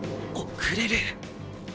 遅れる！！